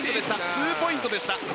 ツーポイントでした。